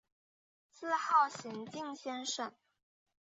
自号玄静先生。